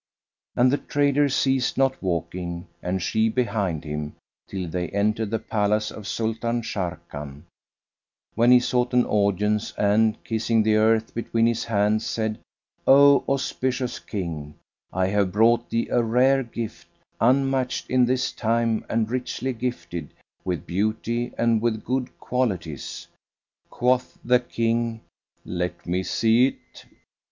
And the trader ceased not walking (and she behind him) till they entered the palace of Sultan Sharrkan; when he sought an audience and, kissing the earth between his hands, said, "O auspicious King, I have brought thee a rare gift, unmatched in this time and richly gifted with beauty and with good qualities." Quoth the King, "Let me see it."